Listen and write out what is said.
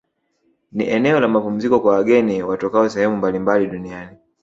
Ni eneo la mapumziko kwa wageni watokao sehemu mbalimbali duniani